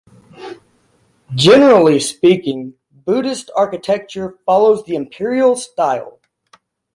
Generally speaking, Buddhist architecture follows the imperial style.